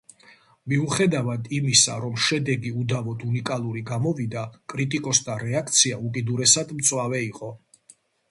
მიუხედავად იმისა, რომ შედეგი უდავოდ უნიკალური გამოვიდა, კრიტიკოსთა რეაქცია უკიდურესად მწვავე იყო.